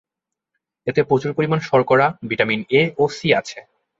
এতে প্রচুর পরিমাণে শর্করা, ভিটামিন এ ও সি আছে।